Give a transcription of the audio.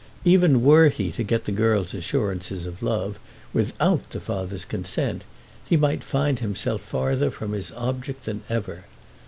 Even were he to get the girl's assurances of love, without the father's consent he might find himself farther from his object than ever.